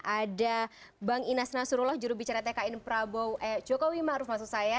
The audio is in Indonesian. ada bang inas nasrullah jurubicara tkn prabowo eh jokowi maksud saya